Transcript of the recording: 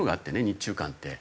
日中間って。